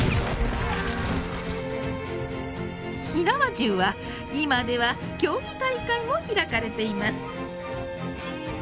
火縄銃は今では競技大会も開かれています。